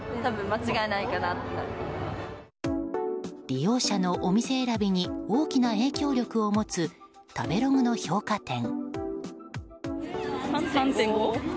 利用者のお店選びに大きな影響力を持つ食べログの評価点。